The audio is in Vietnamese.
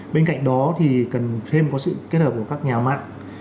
bên cạnh đó thì cần thêm có sự kết hợp của các nhà mạng